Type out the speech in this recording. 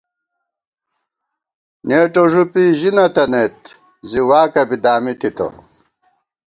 نېٹو ݫُپی ژی نَہ تَنَئیت ، زی واکہ بی دامی تِتہ